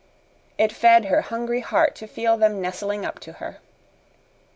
It fed her hungry heart to feel them nestling up to her.